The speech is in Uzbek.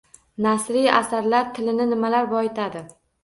Nasriy asarlar tilini nimalar boyitadi.